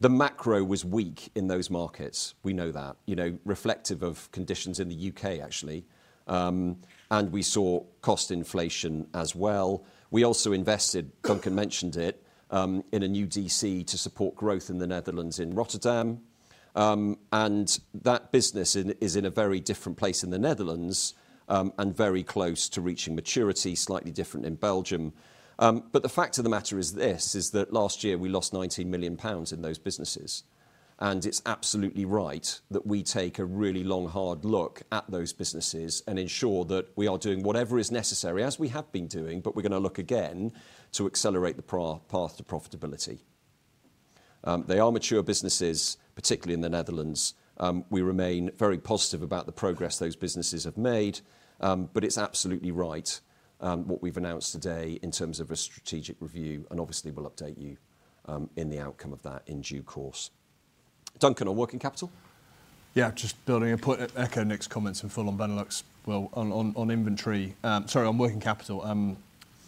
Speaker 1: The macro was weak in those markets. We know that reflective of conditions in the UK actually and we saw cost inflation as well. We also invested, Duncan mentioned it, in a new DC to support growth in the Netherlands in Rotterdam. And that business is in a very different place in the Netherlands and very close to reaching maturity, slightly different in Belgium. But the fact of the matter is this is that last year we lost 19 million pounds in those businesses. And it's absolutely right that we take a really long hard look at those businesses and ensure that we are doing whatever is necessary as we have been doing but we're going to look again to accelerate the path to profitability. They are mature businesses particularly in the Netherlands. We remain very positive about the progress those businesses have made but it's absolutely right what we've announced today in terms of a strategic review and obviously we'll update you in the outcome of that in due course. Duncan, on working capital.
Speaker 2: Yeah, just building in, put echo Nick's comments in full on Benelux. Well, on inventory, sorry, on working capital,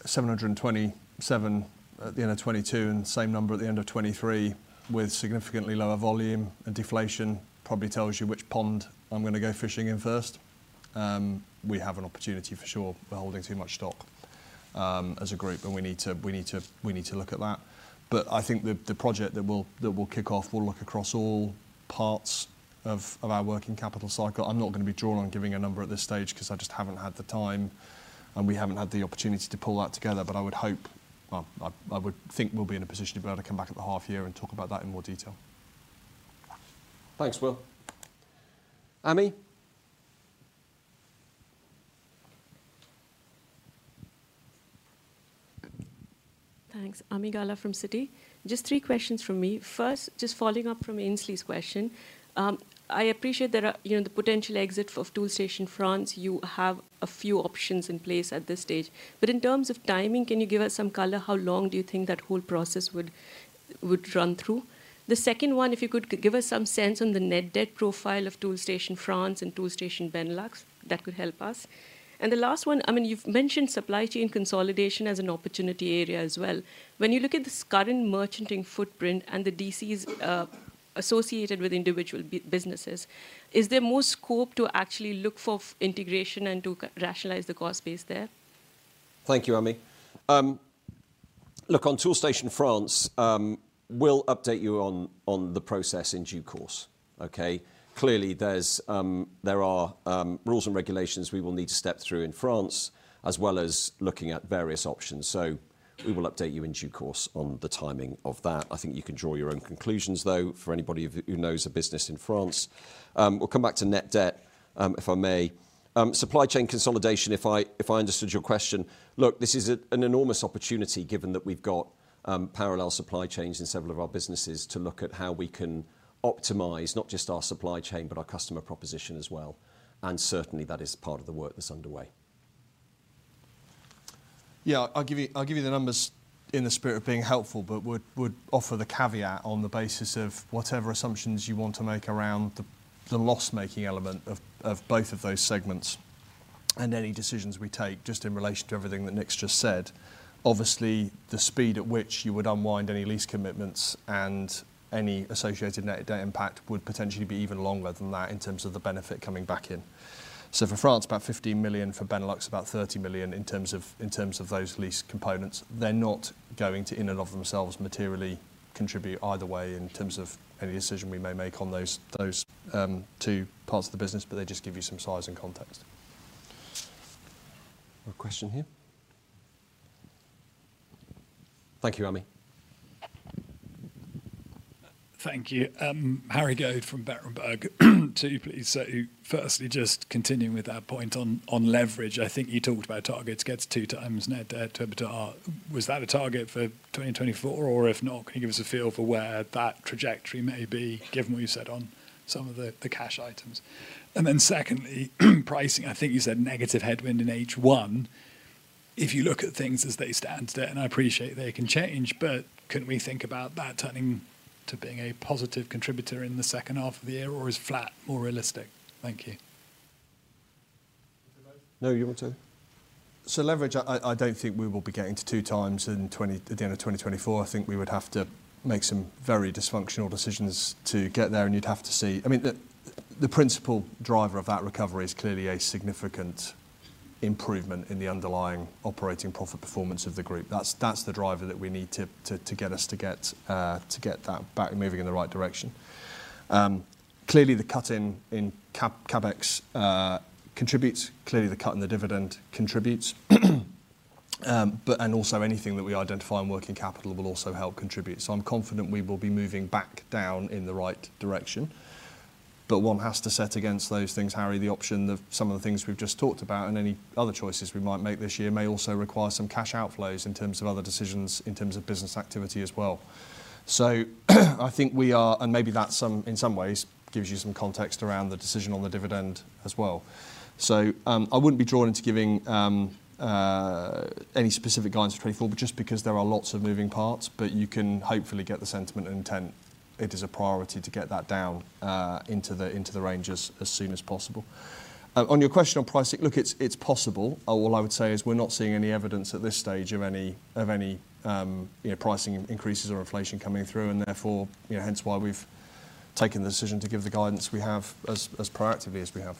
Speaker 2: 727 at the end of 2022 and the same number at the end of 2023 with significantly lower volume and deflation probably tells you which pond I'm going to go fishing in first. We have an opportunity for sure. We're holding too much stock as a group and we need to we need to we need to look at that. But I think the project that we'll kick off will look across all parts of our working capital cycle. I'm not going to be drawn on giving a number at this stage because I just haven't had the time and we haven't had the opportunity to pull that together. But I would hope I would think we'll be in a position to be able to come back at the half year and talk about that in more detail.
Speaker 1: Thanks Will. Ami.
Speaker 5: Thanks. Ami Sherbin from Citi. Just three questions from me. First, just following up from Ainsley's question. I appreciate there are the potential exit of Toolstation France. You have a few options in place at this stage. But in terms of timing, can you give us some color how long do you think that whole process would run through? The second one, if you could give us some sense on the net debt profile of Toolstation France and Toolstation Benelux, that could help us. The last one, I mean you've mentioned supply chain consolidation as an opportunity area as well. When you look at this current merchanting footprint and the DCs associated with individual businesses, is there more scope to actually look for integration and to rationalize the cost base there?
Speaker 1: Thank you Amy. Look, on Toolstation France, we'll update you on the process in due course. Clearly there are rules and regulations we will need to step through in France as well as looking at various options. We will update you in due course on the timing of that. I think you can draw your own conclusions though for anybody who knows a business in France. We'll come back to net debt if I may. Supply chain consolidation, if I understood your question, look this is an enormous opportunity given that we've got parallel supply chains in several of our businesses to look at how we can optimize not just our supply chain but our customer proposition as well. And certainly that is part of the work that's underway.
Speaker 2: Yeah, I'll give you I'll give you the numbers in the spirit of being helpful but would offer the caveat on the basis of whatever assumptions you want to make around the loss making element of both of those segments and any decisions we take just in relation to everything that Nick's just said. Obviously the speed at which you would unwind any lease commitments and any associated net debt impact would potentially be even longer than that in terms of the benefit coming back in. So for France, about 15 million; for Benelux, about 30 million in terms of those lease components. They're not going to in and of themselves materially contribute either way in terms of any decision we may make on those two parts of the business but they just give you some size and context. More question here.
Speaker 1: Thank you Ami.
Speaker 6: Thank you. Harry Goad from Berenberg too please. So firstly just continuing with that point on leverage. I think you talked about targets get to 2x net debt to EBITDA. Was that a target for 2024 or if not can you give us a feel for where that trajectory may be given what you said on some of the cash items? And then secondly, pricing, I think you said negative headwind in H1 if you look at things as they stand today and I appreciate they can change but couldn't we think about that turning to being a positive contributor in the second half of the year or is flat more realistic? Thank you.
Speaker 2: No, you want to. So leverage, I don't think we will be getting to 2x in 20 at the end of 2024. I think we would have to make some very dysfunctional decisions to get there and you'd have to see, I mean, the principal driver of that recovery is clearly a significant improvement in the underlying operating profit performance of the group. That's the driver that we need to get us to get that moving in the right direction. Clearly the cut in CaPEX contributes. Clearly the cut in the dividend contributes. But also, anything that we identify in working capital will also help contribute. So, I'm confident we will be moving back down in the right direction. But one has to set against those things, Harry, the option that some of the things we've just talked about and any other choices we might make this year may also require some cash outflows in terms of other decisions in terms of business activity as well. So, I think we are, and maybe that in some ways gives you some context around the decision on the dividend as well. So, I wouldn't be drawn into giving any specific guidance for 2024, but just because there are lots of moving parts, but you can hopefully get the sentiment and intent. It is a priority to get that down into the range as soon as possible. On your question on pricing, look, it's possible. All I would say is we're not seeing any evidence at this stage of any pricing increases or inflation coming through and therefore hence why we've taken the decision to give the guidance we have as proactively as we have.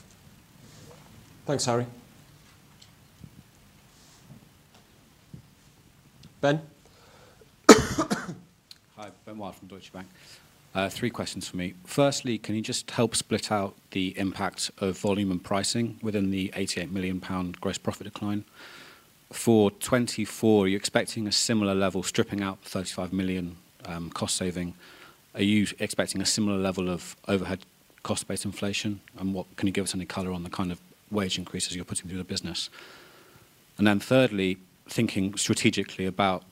Speaker 1: Thanks Harry. Ben.
Speaker 7: Hi, Ben Walsh from Deutsche Bank. Three questions for me. Firstly, can you just help split out the impact of volume and pricing within the 88 million pound gross profit decline? For 2024, are you expecting a similar level stripping out 35 million cost saving? Are you expecting a similar level of overhead cost-based inflation? And can you give us any color on the kind of wage increases you're putting through the business? And then thirdly, thinking strategically about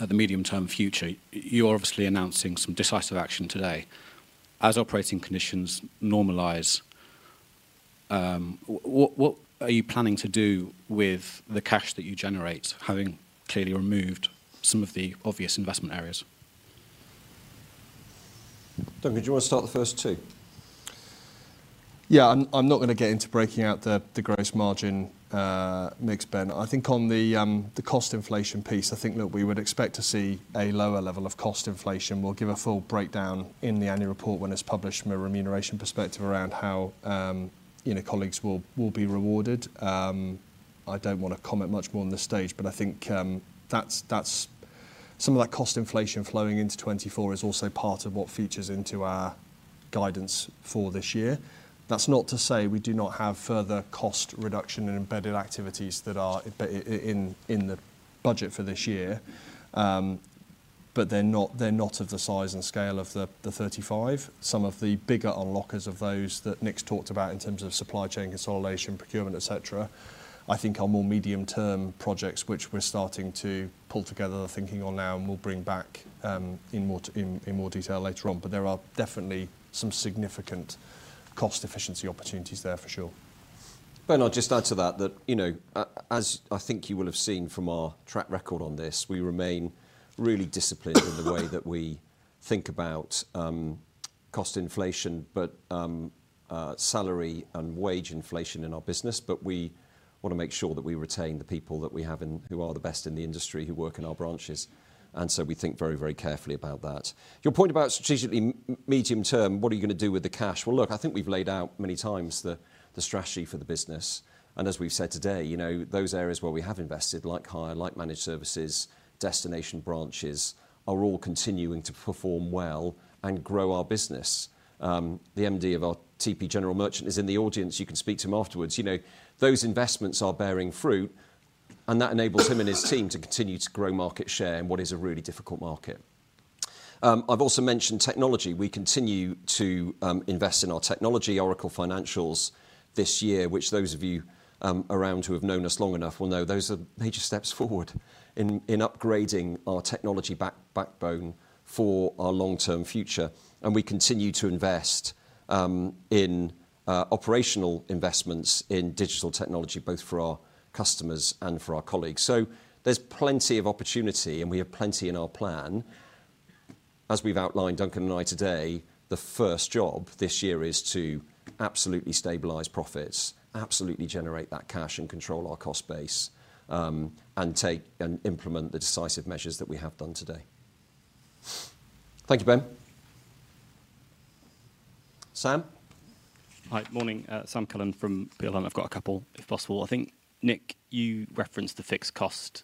Speaker 7: the medium-term future, you are obviously announcing some decisive action today. As operating conditions normalize, what are you planning to do with the cash that you generate having clearly removed some of the obvious investment areas?
Speaker 1: Duncan, do you want to start the first two?
Speaker 2: Yeah, I'm not going to get into breaking out the gross margin mix, Ben. I think on the cost inflation piece, I think that we would expect to see a lower level of cost inflation. We'll give a full breakdown in the annual report when it's published from a remuneration perspective around how colleagues will be rewarded. I don't want to comment much more on this stage but I think some of that cost inflation flowing into 2024 is also part of what features into our guidance for this year. That's not to say we do not have further cost reduction and embedded activities that are in the budget for this year. But they're not of the size and scale of the 35. Some of the bigger unlockers of those that Nick's talked about in terms of supply chain consolidation, procurement, et cetera, I think are more medium term projects which we're starting to pull together the thinking on now and we'll bring back in more detail later on. But there are definitely some significant cost efficiency opportunities there for sure.
Speaker 1: Ben, I'll just add to that that as I think you will have seen from our track record on this, we remain really disciplined in the way that we think about cost inflation but salary and wage inflation in our business. But we want to make sure that we retain the people that we have who are the best in the industry, who work in our branches. And so we think very, very carefully about that. Your point about strategically medium term, what are you going to do with the cash? Well, look, I think we've laid out many times the strategy for the business. As we've said today, those areas where we have invested like hire, like managed services, destination branches are all continuing to perform well and grow our business. The MD of our TP general merchant is in the audience. You can speak to him afterwards. Those investments are bearing fruit and that enables him and his team to continue to grow market share in what is a really difficult market. I've also mentioned technology. We continue to invest in our technology, Oracle Financials this year, which those of you around who have known us long enough will know those are major steps forward in upgrading our technology backbone for our long term future. And we continue to invest in operational investments in digital technology both for our customers and for our colleagues. So there's plenty of opportunity and we have plenty in our plan. As we've outlined, Duncan and I, today, the first job this year is to absolutely stabilize profits, absolutely generate that cash and control our cost base and take and implement the decisive measures that we have done today. Thank you Ben. Sam.
Speaker 8: Hi, morning. Sam Cullen from Peel Hunt. I've got a couple if possible. I think Nick, you referenced the fixed cost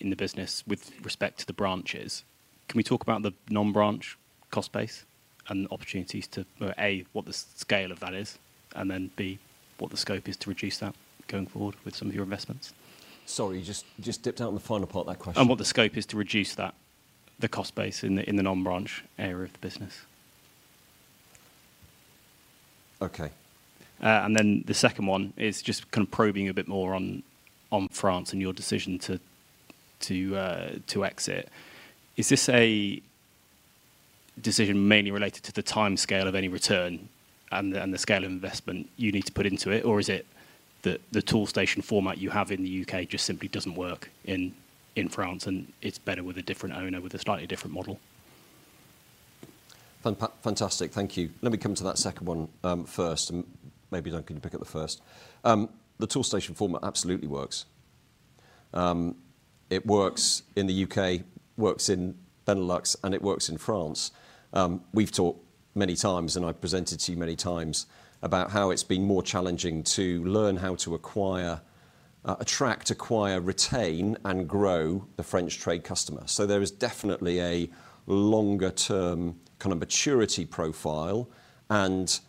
Speaker 8: in the business with respect to the branches. Can we talk about the non-branch cost base and opportunities to A, what the scale of that is and then B, what the scope is to reduce that going forward with some of your investments?
Speaker 1: Sorry, you just dipped out on the final part of that question.
Speaker 8: And what the scope is to reduce that, the cost base in the non-branch area of the business.
Speaker 2: OK.
Speaker 8: And then the second one is just kind of probing a bit more on France and your decision to exit. Is this a decision mainly related to the time scale of any return and the scale of investment you need to put into it or is it that the Toolstation format you have in the U.K. just simply doesn't work in France and it's better with a different owner, with a slightly different model?
Speaker 1: Fantastic, thank you. Let me come to that second one first and maybe Duncan, you pick up the first. The Toolstation format absolutely works. It works in the UK, works in Benelux, and it works in France. We've talked many times and I've presented to you many times about how it's been more challenging to learn how to acquire, attract, acquire, retain, and grow the French trade customer. So there is definitely a longer term kind of maturity profile and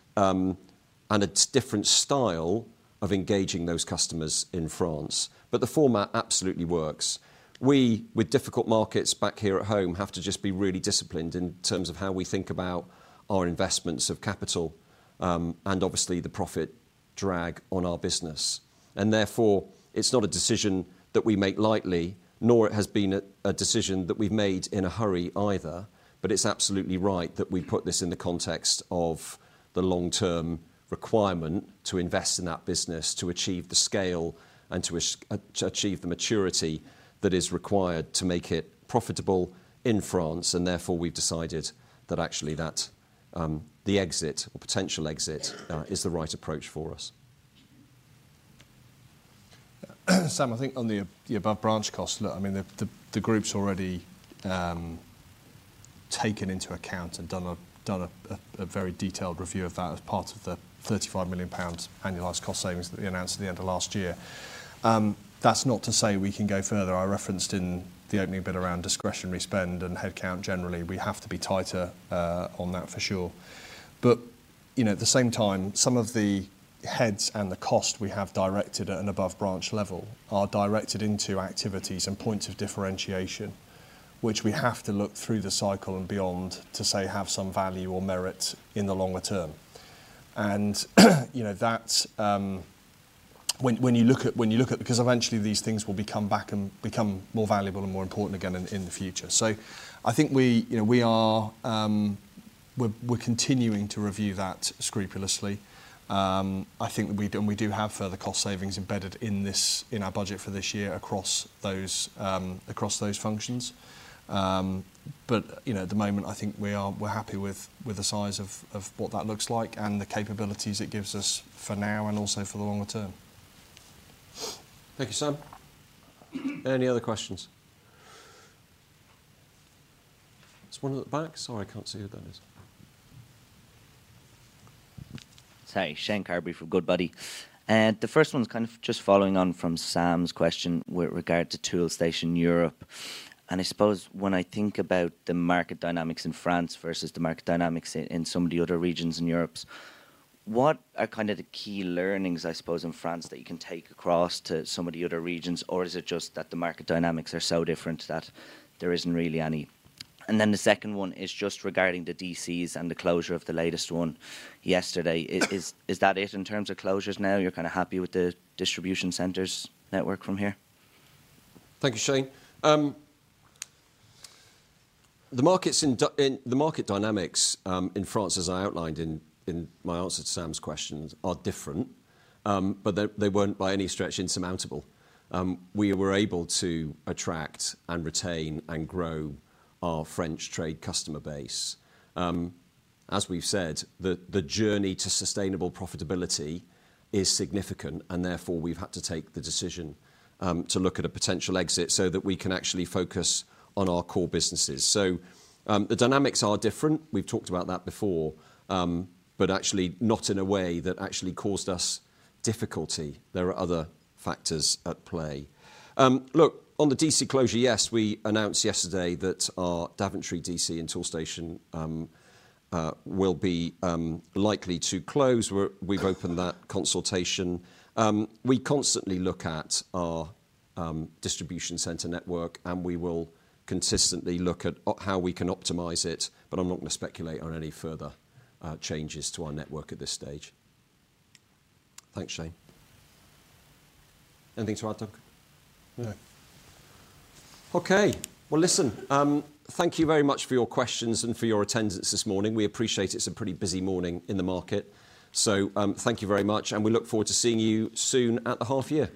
Speaker 1: a different style of engaging those customers in France. But the format absolutely works. We, with difficult markets back here at home, have to just be really disciplined in terms of how we think about our investments of capital and obviously the profit drag on our business. And therefore it's not a decision that we make lightly nor it has been a decision that we've made in a hurry either. But it's absolutely right that we put this in the context of the long term requirement to invest in that business, to achieve the scale, and to achieve the maturity that is required to make it profitable in France. And therefore we've decided that actually the exit or potential exit is the right approach for us.
Speaker 2: Sam, I think on the above branch cost, look, I mean the group's already taken into account and done a very detailed review of that as part of the 35 million pounds annualized cost savings that we announced at the end of last year. That's not to say we can go further. I referenced in the opening bit around discretionary spend and headcount generally. We have to be tighter on that for sure. But at the same time, some of the heads and the cost we have directed at an above branch level are directed into activities and points of differentiation which we have to look through the cycle and beyond to say have some value or merit in the longer term. And when you look at because eventually these things will become back and become more valuable and more important again in the future. So I think we're continuing to review that scrupulously. I think that we do and we do have further cost savings embedded in our budget for this year across those functions. But at the moment I think we're happy with the size of what that looks like and the capabilities it gives us for now and also for the longer term.
Speaker 1: Thank you Sam. Any other questions? There's one at the back.
Speaker 9: Sorry, I can't see who that is. Say, Shane Carberry from Goodbody. The first one's kind of just following on from Sam's question with regard to Toolstation Europe. And I suppose when I think about the market dynamics in France versus the market dynamics in some of the other regions in Europe, what are kind of the key learnings I suppose in France that you can take across to some of the other regions or is it just that the market dynamics are so different that there isn't really any? And then the second one is just regarding the DCs and the closure of the latest one yesterday. Is that it in terms of closures now? You're kind of happy with the distribution centers network from here?
Speaker 1: Thank you Shane. The market dynamics in France, as I outlined in my answer to Sam's questions, are different but they weren't by any stretch insurmountable. We were able to attract and retain and grow our French trade customer base. As we've said, the journey to sustainable profitability is significant and therefore we've had to take the decision to look at a potential exit so that we can actually focus on our core businesses. So the dynamics are different. We've talked about that before but actually not in a way that actually caused us difficulty. There are other factors at play. Look, on the DC closure, yes, we announced yesterday that our Daventry DC and Toolstation will be likely to close. We've opened that consultation. We constantly look at our distribution center network and we will consistently look at how we can optimize it but I'm not going to speculate on any further changes to our network at this stage. Thanks Shane. Anything to add Duncan?
Speaker 2: No.
Speaker 1: OK, well listen, thank you very much for your questions and for your attendance this morning. We appreciate it's a pretty busy morning in the market. So thank you very much and we look forward to seeing you soon at the half year.